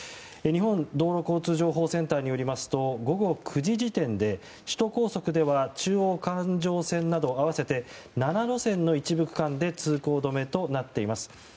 日本道路交通情報センターによりますと午後９時時点で首都高速では中央環状線など合わせて７路線の一部区間で通行止めとなっています。